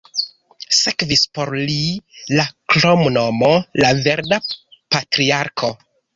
Sekvis por li la kromnomo "la Verda Patriarko".